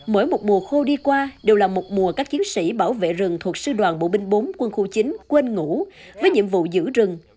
mỗi một mùa khô đi qua đều là một mùa các chiến sĩ bảo vệ rừng thuộc sư đoàn bộ binh bốn quân khu chín quên ngủ với nhiệm vụ giữ rừng